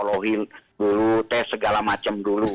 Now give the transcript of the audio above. lohil dulu tes segala macam dulu